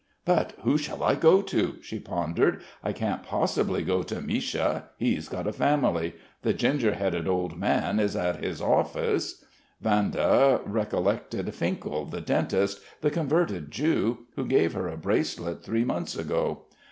"But who shall I go to?" she pondered. "I can't possibly go to Misha ... he's got a family.... The ginger headed old man is at his office...." Vanda recollected Finkel, the dentist, the converted Jew, who gave her a bracelet three months ago.